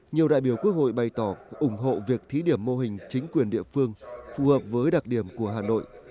nhiều đại biểu quốc hội bày tỏ ủng hộ việc thí điểm mô hình chính quyền địa phương phù hợp với đặc điểm của hà nội